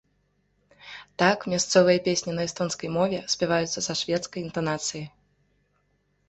Так, мясцовыя песні на эстонскай мове спяваюцца са шведскай інтанацыяй.